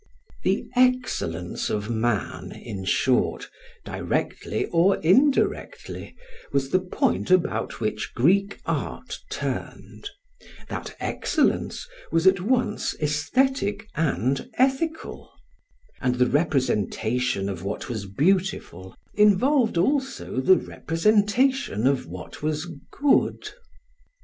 The excellence of man, in short, directly or indirectly, was the point about which Greek art turned; that excellence was at once aesthetic and ethical; and the representation of what was beautiful involved also the representation of what was good.